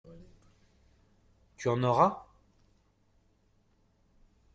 Tu en auras ?